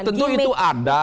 ya tentu itu ada